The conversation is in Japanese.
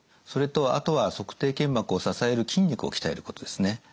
それとあとは足底腱膜を支える筋肉を鍛えることですね。